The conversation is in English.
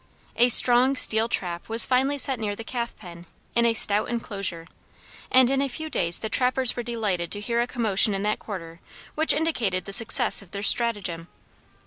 A strong steel trap was finally set near the calf pen, in a stout enclosure, and in a few days the trappers were delighted to hear a commotion in that quarter which indicated the success of their stratagem.